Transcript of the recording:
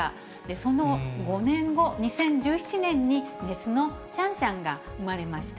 その５年後、２０１７年に雌のシャンシャンが産まれました。